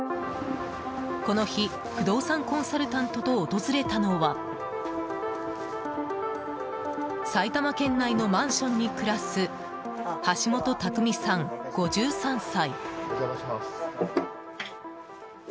この日、不動産コンサルタントと訪れたのは埼玉県内のマンションに暮らす橋本たくみさん、５３歳。